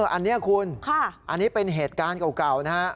อันนี้คุณอันนี้เป็นเหตุการณ์เก่านะฮะ